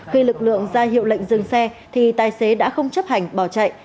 khi lực lượng ra hiệu lệnh dừng xe thì tài xế đã không chấp hành bỏ chạy